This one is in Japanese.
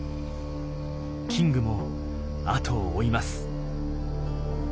キングも後を追います。